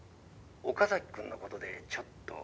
岡崎君の事でちょっと」